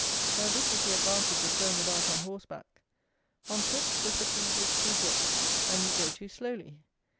Now this is the advantage of going about on horseback. On foot the fatigue is too great, and you go too slowly.